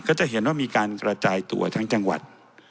ก็จะเห็นว่ามีการกระจายตัวทั้งจังหวัด